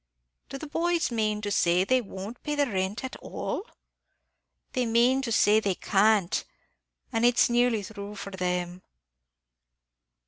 "Do the boys mane to say they won't pay the rent at all?" "They mane to say they can't; an' it's nearly thrue for them."